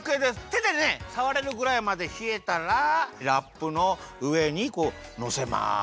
てでねさわれるぐらいまでひえたらラップのうえにのせます。